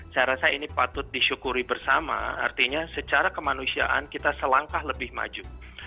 saya rasa ini patut disyukuri bersama artinya secara kemanusiaan kita selangkah lebih maju